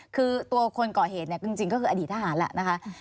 คือตัวคนก่อเหตุเนี่ยจริงก็คืออดีตทหารแหละนะคะ